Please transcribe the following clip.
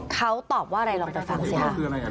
เขาตอบว่าอะไรลองไปฟังเสียงค่ะ